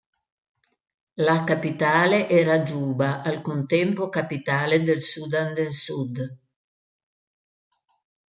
La capitale era Giuba, al contempo capitale del Sudan del Sud.